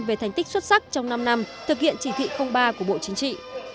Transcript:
về thành tích xuất sắc trong năm năm thực hiện chỉ thị ba của bộ chính trị